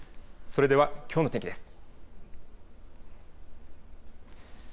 それではきょうの天気です。